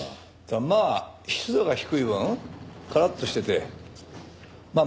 まあ湿度が低い分カラッとしててまあ